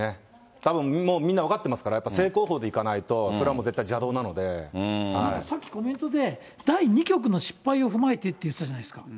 たぶんもうみんな分かってますから、正攻法でいかないと、さっきコメントで、第２局の失敗を踏まえてって言ってたじゃないですか。